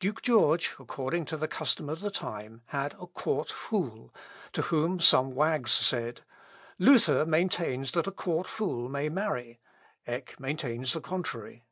Duke George, according to the custom of the time, had a court fool, to whom some wags said, "Luther maintains that a court fool may marry. Eck maintains the contrary."